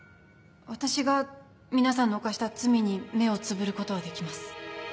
私が皆さんの犯した罪に目をつぶることはできます。